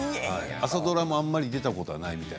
朝ドラもあまり出たことがないっていう。